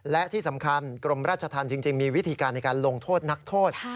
และที่สำคัญกรมราชธรรมจริงมีวิธีการในการลงโทษนักโทษ